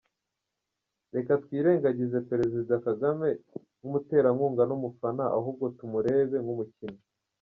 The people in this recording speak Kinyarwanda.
Reka twirengagize Perezida Kagame nk’umuterankunga n’umufana, ahubwo tumurebe nk’umukinnyi.